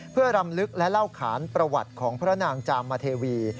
เพื่อรำลึกและเล่าขานประวัติของพระนางจามเทวี